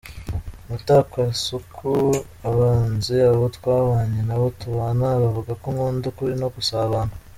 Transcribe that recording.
Mutakwasuku: Abanzi, abo twabanye n’abo tubana, bavuga ko nkunda ukuri no gusabana.